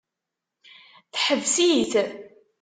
Teḥbes-it.